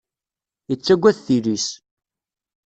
Ittagad tili-s.